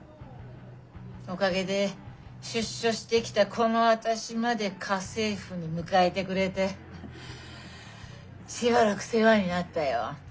おかげで出所してきたこの私まで家政婦に迎えてくれてしばらく世話になったよ。